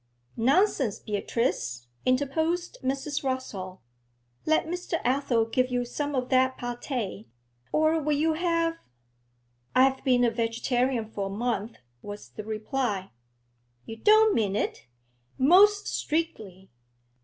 'Nonsense, Beatrice,' interposed Mrs. Rossall. 'Let Mr. Athel give you some of that pate, or will you have ' 'I've been a vegetarian for a month,' was the reply. 'You don't mean it?' 'Most strictly.